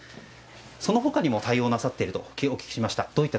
そのほかにも対応なさっているとお聞きました。